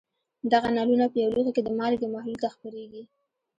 دغه نلونه په یو لوښي کې د مالګې محلول ته خپرېږي.